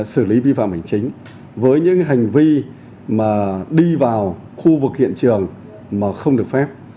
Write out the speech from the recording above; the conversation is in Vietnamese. xử lý vi phạm hành chính với những hành vi mà đi vào khu vực hiện trường mà không được phép